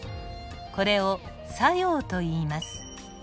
これを作用といいます。